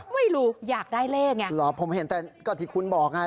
ไม่รู้อยากได้เลขไงหรอผมเห็นแต่ก็ที่คุณบอกไง